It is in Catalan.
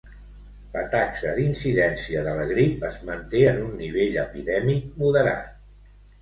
La taxa d'incidència de la grip es manté en un nivell epidèmic moderat.